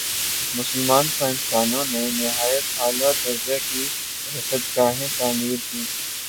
مسلمان سائنسدانوں نے نہایت عالیٰ درجہ کی رصدگاہیں تعمیر کیں